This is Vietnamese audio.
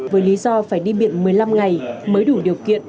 với lý do phải đi biện một mươi năm ngày mới đủ điều kiện